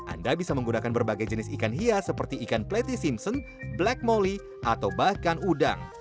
anda bisa menggunakan berbagai jenis ikan hias seperti ikan platy simpson black moli atau bahkan udang